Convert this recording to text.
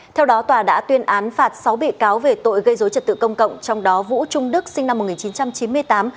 theo đó tòa đã tuyên án phạt sáu bị cáo về tội gây dối trật tự công cộng trong đó vũ trung đức sinh năm một nghìn chín trăm chín mươi tám